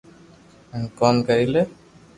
ھين ڪوم ڪري لي